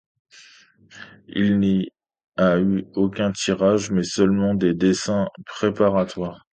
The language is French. Il n'y a eu aucun tirage mais seulement des dessins préparatoires.